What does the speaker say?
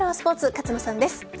勝野さんです。